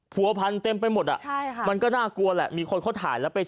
ผัวพันธุ์เต็มไปหมดอ่ะมันก็น่ากลัวแหละ